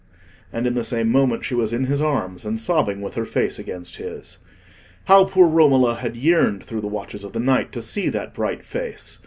And in the same moment she was in his arms, and sobbing with her face against his. How poor Romola had yearned through the watches of the night to see that bright face!